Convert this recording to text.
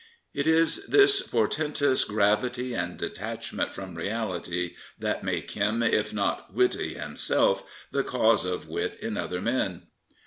It i^this portentous gravity and detachment from reality*hat make him, if not witty himself, the cause of wit in other men.